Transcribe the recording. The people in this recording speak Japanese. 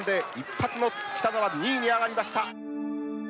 一発の北沢２位に上がりました。